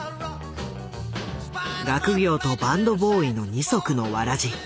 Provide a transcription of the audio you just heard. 学業とバンドボーイの二足のわらじ。